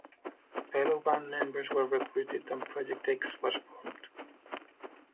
Fellow band members were recruited and Project X was formed.